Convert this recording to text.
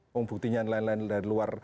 pembuktinya lain lain dari luar